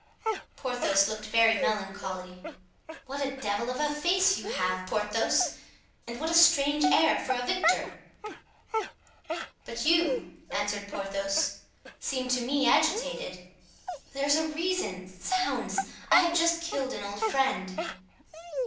Porthos looked very melancholy. "What a devil of a face you have, Porthos! and what a strange air for a victor!" "But you," answered Porthos, "seem to me agitated." "There's a reason! Zounds! I have just killed an old friend."